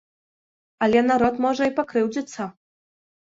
Але народ можа і пакрыўдзіцца.